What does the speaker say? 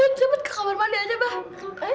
kenapa cepet ke kamar mandi aja mbah